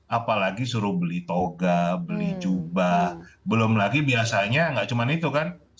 apalagi suruh beli toga beli jubah belum lagi biasanya nggak cuma itu kan